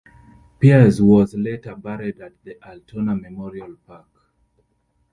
Peirce was later buried at the Altona Memorial Park.